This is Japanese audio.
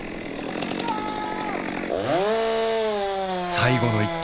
最後の一刀。